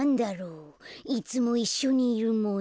いつもいっしょにいるもの。